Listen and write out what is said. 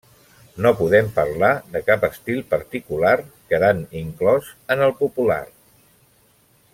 No podem parlar de cap estil particular quedant inclòs en el popular.